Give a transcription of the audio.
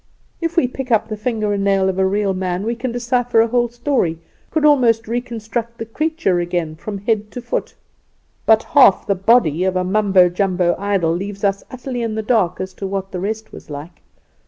If we pick up the finger and nail of a real man, we can decipher a whole story could almost reconstruct the creature again, from head to foot. But half the body of a Mumboo jumbow idol leaves us utterly in the dark as to what the rest was like.